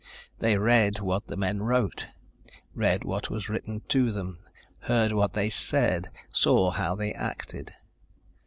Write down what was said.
They read what the men wrote, read what was written to them, heard what they said, saw how they acted.